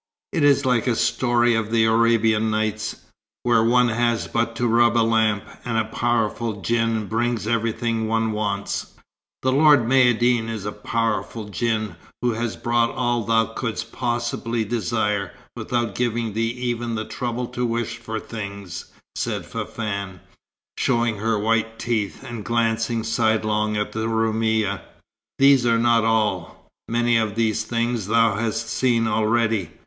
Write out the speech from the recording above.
It is like a story of the 'Arabian Nights,' where one has but to rub a lamp, and a powerful djinn brings everything one wants." "The Lord Maïeddine is the powerful djinn who has brought all thou couldst possibly desire, without giving thee even the trouble to wish for things," said Fafann, showing her white teeth, and glancing sidelong at the Roumia. "These are not all. Many of these things thou hast seen already.